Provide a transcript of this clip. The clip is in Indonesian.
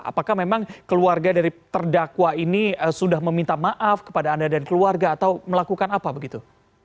apakah memang keluarga dari terdakwa ini sudah meminta maaf kepada anda dan keluarga atau melakukan apa begitu